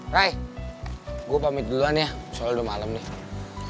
ray gue pamit duluan ya soalnya udah malam nih